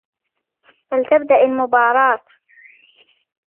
فلتبدأ المباراة.